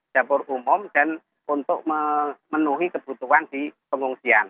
dapur umum dan untuk memenuhi kebutuhan di pengungsian